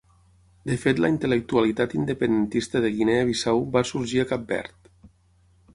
De fet la intel·lectualitat independentista de Guinea Bissau va sorgir a Cap Verd.